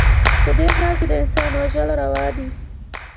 په دې ښـار کښې د انسان وژل روا دي